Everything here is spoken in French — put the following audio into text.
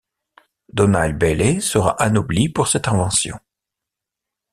Donald Bailey sera anobli pour cette invention.